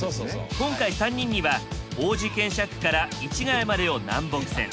今回３人には王子検車区から市ケ谷までを南北線。